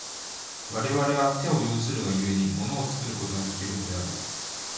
我々は手を有するが故に、物を作ることができるのである。